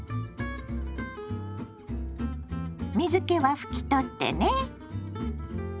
水けは拭き取ってね。